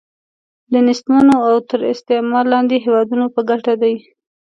د نېستمنو او تر استعمار لاندې هیوادونو په ګټه دی.